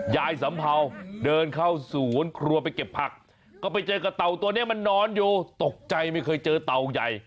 สัมเภาเดินเข้าสวนครัวไปเก็บผักก็ไปเจอกับเต่าตัวนี้มันนอนอยู่ตกใจไม่เคยเจอเต่าใหญ่